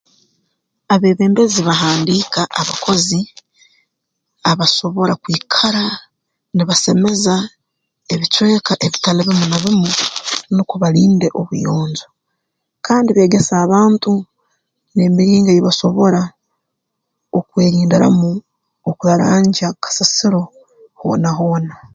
Abeebembezi bahandiika abakozi abasobora kwikara nibasemeza ebicweka ebitali bimu na bimu nukwo balinde obuyonjo kandi beegesa abantu n'emiringo ei basobora okwerindiramu okurarangya kasasiro hoona hoona